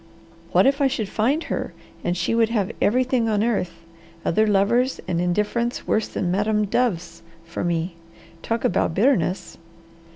What if I should find her, and she would have everything on earth, other lovers, and indifference worse than Madam Dove's for me. Talk about bitterness!